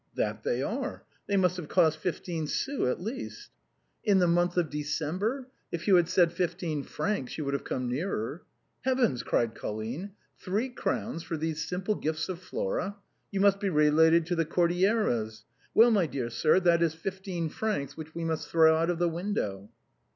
"That they are; they must have cost fifteen sous, at least." " In the month of December ! If you said fifteen francs, you would have come nearer." " Heavens !" cried Colline, " three crowns for these simple gifts of Flora ! You must be related to the Cordil leras. Well, my dear sir, that is fifteem francs whicli we must throw out of the window."